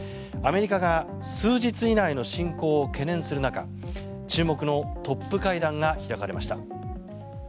アメリカが数日以内の侵攻を懸念する中注目のトップ会談が開かれました。